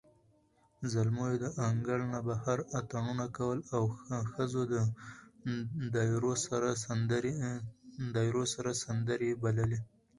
زلمیو د انګړ نه بهر اتڼونه کول، او ښځو د دایرو سره سندرې بللې.